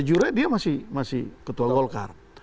dan juga dia masih ketua golkar